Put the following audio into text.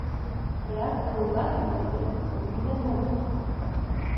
Рэакцыя ўладаў на ідэю пакуль невядомая.